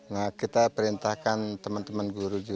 nah kita perintahkan teman teman guru